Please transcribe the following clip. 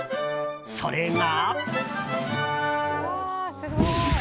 それが。